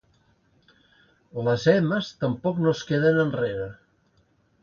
Les emes tampoc no es queden enrere.